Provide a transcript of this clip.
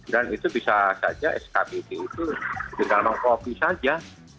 dan itu bisa saja skbd itu di dalam kopi saja